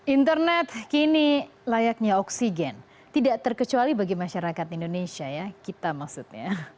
internet kini layaknya oksigen tidak terkecuali bagi masyarakat indonesia ya kita maksudnya